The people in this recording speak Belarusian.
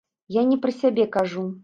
Я не пра сябе кажу.